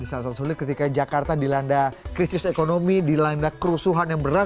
di saat saat sulit ketika jakarta dilanda krisis ekonomi dilanda kerusuhan yang berat